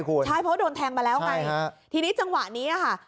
ใช่เพราะว่าโดนแทงมาแล้วไงทีนี้จังหวะนี้ค่ะ